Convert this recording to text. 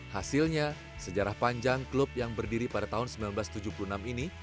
hasilnya sejarah panjang klub yang berdiri pada tahun seribu sembilan ratus tujuh puluh enam ini